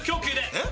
えっ？